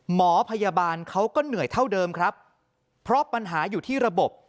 หมอพยาบาลเขาก็เหนื่อยเท่าเดิมครับเพราะปัญหาอยู่ที่ระบบ